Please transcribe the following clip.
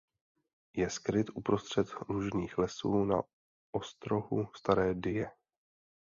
Je skryt uprostřed lužních lesů na ostrohu Staré Dyje.